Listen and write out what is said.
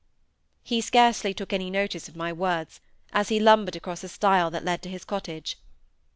He scarcely took any notice of my words, as he lumbered across a Stile that led to his cottage.